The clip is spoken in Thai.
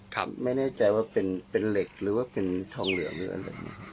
ครับไม่แน่ใจว่าเป็นเหล็กหรือว่าเป็นทองเหลืองหรืออะไรนะครับ